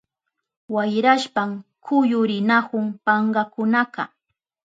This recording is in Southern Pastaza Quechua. Wayrashpan kuyurinahun pankakunaka.